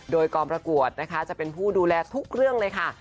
โดยกองประกวดนะคะจะเป็นผู้ดูแลทุกเรื่องเลยค่ะ